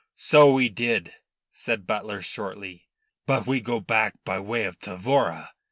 "So we did," said Butler shortly. "Bu' we go back by way of Tavora."